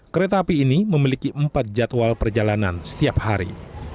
kereta api ini memiliki empat jadwal perjalanan setiap hari